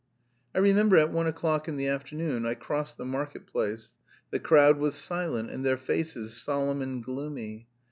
I remember at one o'clock in the afternoon I crossed the marketplace; the crowd was silent and their faces solemn and gloomy.